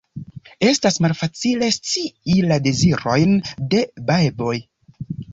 Estas malfacile scii la dezirojn de beboj.